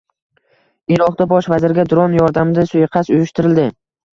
Iroqda bosh vazirga dron yordamida suiqasd uyushtirildi